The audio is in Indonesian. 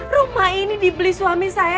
rumah ini dibeli suami saya